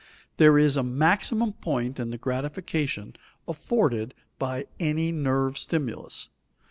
There is a maximum point in the gratification afforded by any nerve stimulus.